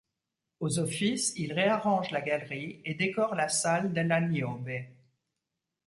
Aux Offices il réarrange la galerie et décore la Salle della Niobe.